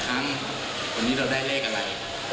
ครั้งนี้เราได้เลขอะไร